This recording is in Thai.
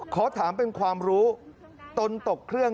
ขอถามเป็นความรู้ตนตกเครื่อง